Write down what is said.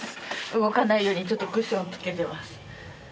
動かないようにちょっとクッションつけてます。